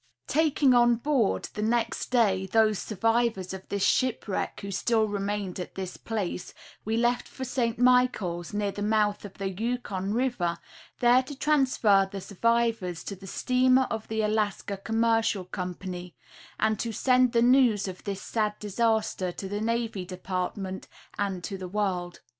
Taking on board, the next day, those survivors of this shipwreck who still remained at this place, we left for St. Michaels, near the mouth of the Yukon river, there to transfer the survivors to the steamer of the Alaska Commercial Company, and to send the news of this sad disaster to the Navy Department and to the world.